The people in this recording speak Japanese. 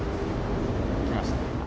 来ました。